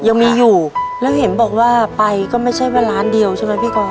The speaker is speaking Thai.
ยังมีอยู่แล้วเห็นบอกว่าไปก็ไม่ใช่ว่าร้านเดียวใช่ไหมพี่กร